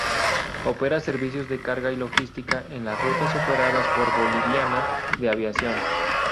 Opera servicios de carga y logística en las rutas operadas por Boliviana de Aviación.